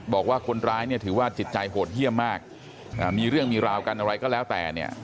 บอกว่าคนร้ายเนี่ยถือว่าจิตใจโหดเยี่ยมมากมีเรื่องมีราวกันอะไรก็แล้วแต่เนี่ย